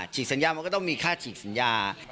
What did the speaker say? สัญญามันก็ต้องมีค่าฉีกสัญญา